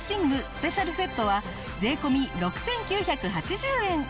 スペシャルセットは税込６９８０円。